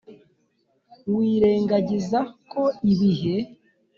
wirengagiza ko ibihe